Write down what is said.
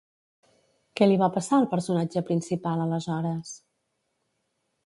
Què li va passar al personatge principal aleshores?